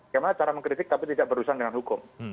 gimana cara mengkritik tapi tidak berurusan dengan hukum